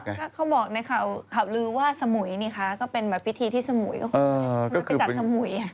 เขาบอกในข่าวลือว่าสมุยนี่ค่ะก็เป็นปฏิที่สมุย